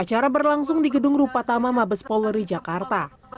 acara berlangsung di gedung rupa tama mabes polri jakarta